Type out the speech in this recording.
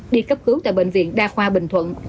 đi cấp cứu tại bệnh viện đa khoa bình thuận